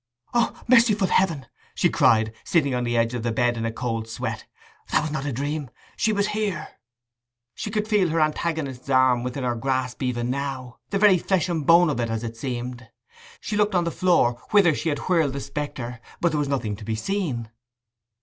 'O, merciful heaven!' she cried, sitting on the edge of the bed in a cold sweat; 'that was not a dream—she was here!' She could feel her antagonist's arm within her grasp even now—the very flesh and bone of it, as it seemed. She looked on the floor whither she had whirled the spectre, but there was nothing to be seen.